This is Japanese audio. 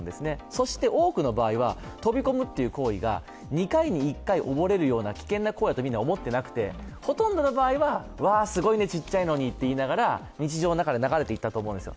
そして多くの場合は飛び込むという行為が２回に１回、溺れるような危険な行為だと思ってなくてほとんどの場合は、わー、すごいね、ちっちゃいのにと言いながら日常の中で流れていったと思うんですよ。